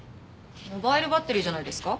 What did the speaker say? モバイルバッテリーじゃないですか？